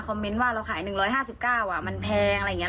เมนต์ว่าเราขาย๑๕๙มันแพงอะไรอย่างนี้